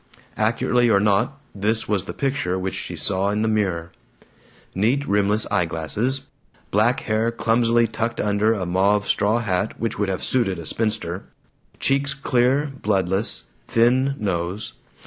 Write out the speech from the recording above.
Accurately or not, this was the picture she saw in the mirror: Neat rimless eye glasses. Black hair clumsily tucked under a mauve straw hat which would have suited a spinster. Cheeks clear, bloodless. Thin nose.